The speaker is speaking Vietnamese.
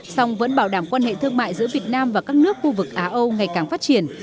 song vẫn bảo đảm quan hệ thương mại giữa việt nam và các nước khu vực á âu ngày càng phát triển